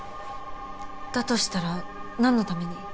だとしたらなんのために？